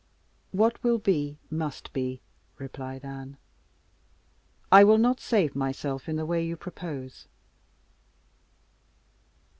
"What will be, must be!" replied Anne. "I will not save myself in the way you propose."